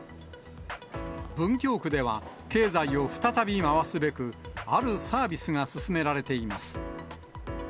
文京区では、経済を再び回すべく、あるサービスが進められています。